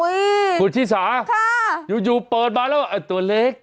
โอ้ยขุดที่สาอยู่เปิดมาแล้วตัวเล็ก